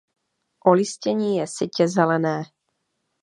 Olistění je sytě zelené.